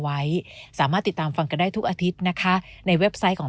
ไว้สามารถติดตามฟังกันได้ทุกอาทิตย์นะคะในเว็บไซต์ของ